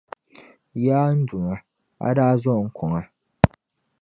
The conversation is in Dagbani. Yaa n Duuma, a daa zo n kuŋa.